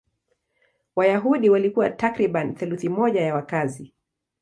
Wayahudi walikuwa takriban theluthi moja ya wakazi.